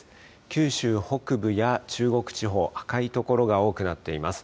九州北部や中国地方、赤い所が多くなっています。